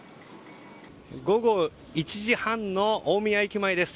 午後１時半の大宮駅前です。